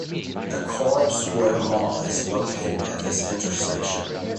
The Coral Square mall is located at this intersection.